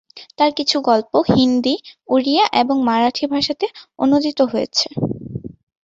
তার কিছু গল্প হিন্দি, ওড়িয়া এবং মারাঠি ভাষাতে অনূদিত হয়েছে।